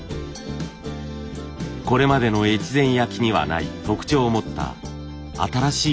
これまでの越前焼にはない特徴を持った新しい器を模索していました。